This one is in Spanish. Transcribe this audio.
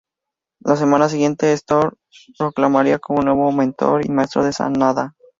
La semana siguiente Storm se proclamaría como el nuevo mentor y maestro de Sanada.